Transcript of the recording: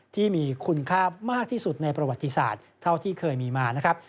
ที่มีคุณค่ามากที่สุดในประวัติศาสตร์เท่าที่เคยมีมานะครับ